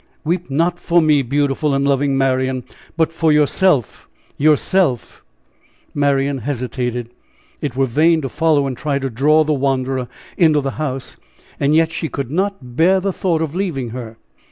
"Weep not for me, beautiful and loving Marian, but for yourself yourself!" Marian hesitated. It were vain to follow and try to draw the wanderer into the house; yet she could not bear the thought of leaving her.